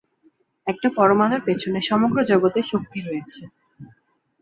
একটা পরমাণুর পেছনে সমগ্র জগতের শক্তি রয়েছে।